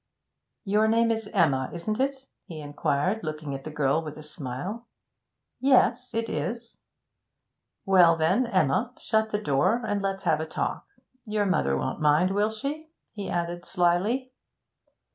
'Your name is Emma, isn't it?' he inquired, looking at the girl with a smile. 'Yes, it is.' 'Well then, Emma, shut the door, and let's have a talk. Your mother won't mind, will she?' he added slyly.